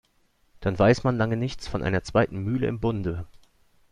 Dann weiß man lange nichts von einer zweiten Mühle in Bunde.